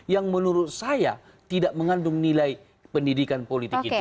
yang menurut saya tidak mengandung nilai pendidikan politik itu